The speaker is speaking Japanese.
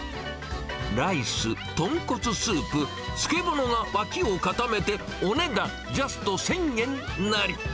ライス、豚骨スープ、漬物が脇を固めて、お値段ジャスト１０００円なり。